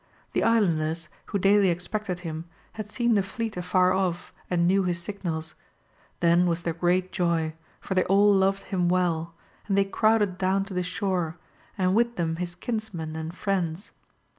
The islanders, who daily expected him, had seen the fleet afar off and knew his signals ; then wajs there great joy, for they all loved him weU, and they crowded down to the shore, and with them his kinsmen and friends.